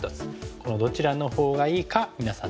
このどちらのほうがいいか皆さん